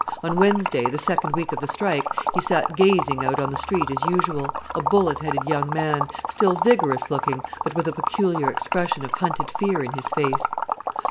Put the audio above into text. On Wednesday, the second week of the strike, he sat gazing out on the street as usual, a bullet headed young man, still vigorous looking, but with a peculiar expression of hunted fear in his face.